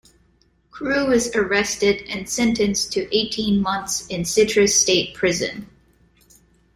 Crewe is arrested and sentenced to eighteen months in Citrus State Prison.